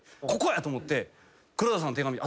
ここやと思って黒田さんの手紙。